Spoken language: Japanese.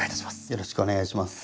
よろしくお願いします。